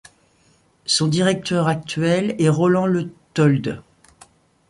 Son directeur actuel est Roland Leuthold.